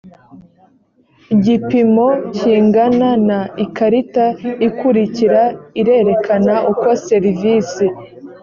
gipimo kingana na ikarita ikurikira irerekana uko serivisi